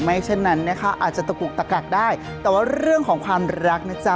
เช่นนั้นนะคะอาจจะตะกุกตะกักได้แต่ว่าเรื่องของความรักนะจ๊ะ